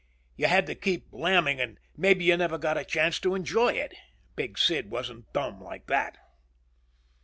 You had to keep lamming and maybe you never got a chance to enjoy it. Big Sid wasn't dumb like that.